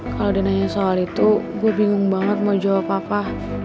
kalau dia nanya soal itu gue bingung banget mau jawab apa apa